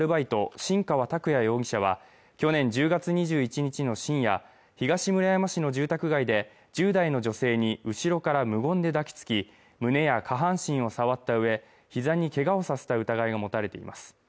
新川拓哉容疑者は去年１０月２１日の深夜東村山市の住宅街で１０代の女性に後ろから無言で抱きつき胸や下半身を触ったうえひざにけがをさせた疑いが持たれています